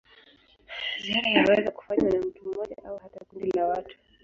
Ziara yaweza kufanywa na mtu mmoja au hata kundi la watu.